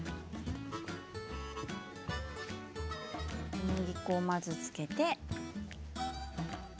小麦粉をまずつけて。